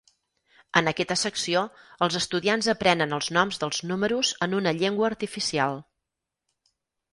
En aquesta secció els estudiants aprenen els noms dels números en una llengua artificial.